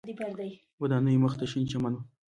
ودانیو مخ ته شین چمن و.